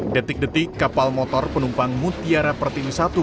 detik detik kapal motor penumpang mutiara pertiwisatu